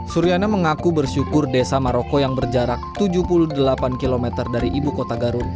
suryana mengaku bersyukur desa maroko yang berjarak tujuh puluh delapan km dari ibu kota garut